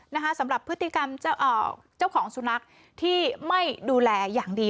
นะคะสำหรับพฤติกรรมเจ้าของสุนัขที่ไม่ดูแลอย่างดี